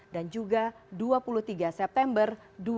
dan juga dua puluh tiga september dua ribu enam belas